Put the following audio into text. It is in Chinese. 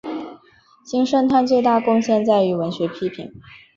金圣叹最大贡献在于文学批评。